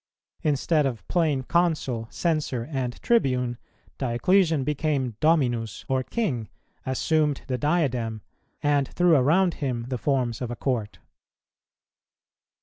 Instead of plain Consul, Censor, and Tribune, Dioclesian became Dominus or King, assumed the diadem, and threw around him the forms of a court.